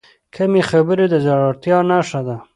کمې خبرې، د زړورتیا نښه ده.